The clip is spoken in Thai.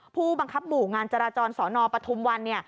ผู้บังคับหมู่งานจราจรสนปทุมวัน